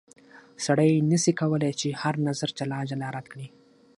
سړی نه سي کولای چې هر نظر جلا جلا رد کړي.